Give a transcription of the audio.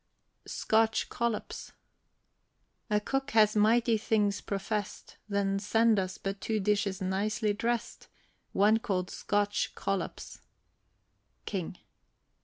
SCOTCH COLLOPS. A cook has mighty things professed; Then send us but two dishes nicely dressed, One called Scotch Collops. KING.